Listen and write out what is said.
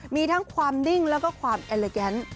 มีทั้งความนิ่งแล้วก็ความแอลลิแกน